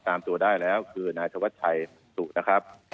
ตามตัวได้แล้วคือนายธวัชชัยสุนะครับ